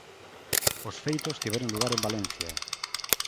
Os feitos tiveron lugar en Valencia.